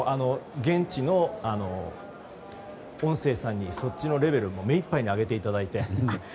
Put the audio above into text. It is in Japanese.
現地の音声さんにそっちのレベル目いっぱいに上げていただいて。